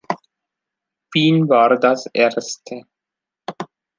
Wien war das erste.